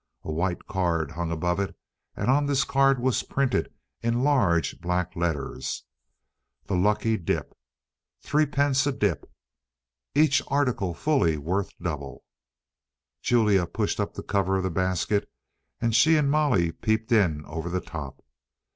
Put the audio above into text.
A white card hung above it, and on this card was printed in large black letters: THE LUCKY DIP 3d. a Dip EACH ARTICLE FULLY WORTH DOUBLE Julia pushed up the cover of the basket, and she and Molly peeped in over the top.